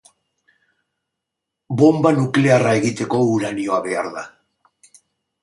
Bonba nuklearra egiteko uranioa behar da.